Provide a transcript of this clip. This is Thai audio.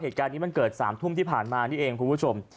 เหตุการณ์นี้มันเกิด๓ทุ่มที่ผ่านมานี่เองคุณผู้ชม